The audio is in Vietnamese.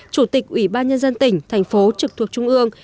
chủ tịch ủy ban nhân dân tỉnh thành phố trực thuộc trung ương